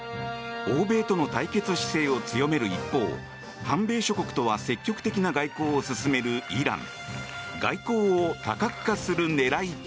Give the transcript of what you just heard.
欧米との対決姿勢を強める一方反米諸国とは積極的な外交を進めるイラン。